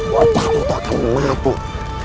wajahmu tak akan mabuk